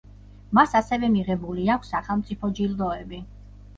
მას ასევე მიღებული აქვს სახელმწიფო ჯილდოები.